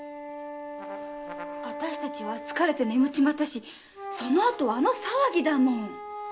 あたしたちは疲れて眠っちまったしその後あの騒ぎだもん。